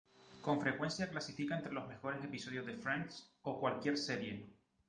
Con frecuencia clasifica entre los mejores episodios de "Friends", o cualquier serie.